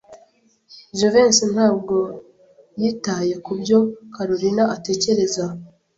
Jivency ntabwo yitaye kubyo Kalorina atekereza.